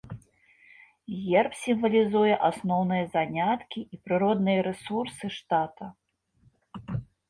Герб сімвалізуе асноўныя заняткі і прыродныя рэсурсы штата.